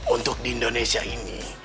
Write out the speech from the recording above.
untuk di indonesia ini